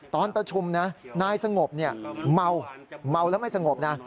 ตอนประชุมนะนายสงบเมาแล้วไม่สงบนะ